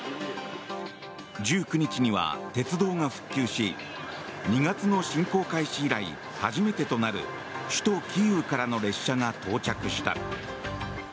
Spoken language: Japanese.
１９日には鉄道が復旧し２月の侵攻開始以来初めてとなる首都キーウからの列車が到着した。